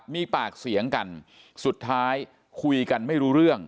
มีปากเสียงกันสุดท้ายคุยกันไม่รู้เรื่อง